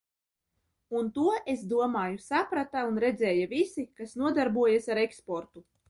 Un to, es domāju, saprata un redzēja visi, kas nodarbojās ar eksportu.